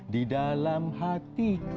di dalam hatiku